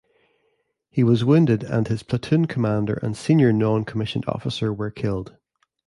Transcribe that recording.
He was wounded and his platoon commander and senior non-commissioned officer were killed.